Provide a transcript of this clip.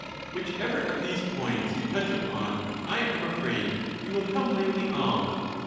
Whichever of these points you touch upon, I am afraid you will come lamely off.